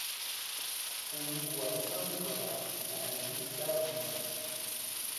On y voit Saint-Nicolas en habit de cardinal.